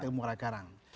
di muara karang